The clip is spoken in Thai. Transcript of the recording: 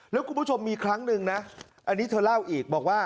แล้วคุณผู้ชมมีครั้งหนึ่งนะอันนี้เธอเล่าอีกบอกว่า